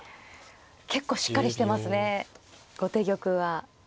結構しっかりしてますね後手玉は。